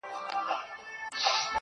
سم خراب سوی دی پر ميکدې نه راځي